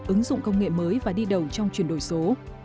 ứng dụng công nghệ mới và đi đầu trong chuyển đổi số